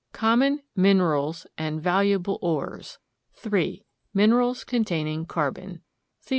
] COMMON MINERALS AND VALUABLE ORES. 3. MINERALS CONTAINING CARBON. THEO.